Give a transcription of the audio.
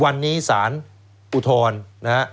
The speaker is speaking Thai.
วันนี้สารอุทธรณ์นะฮะ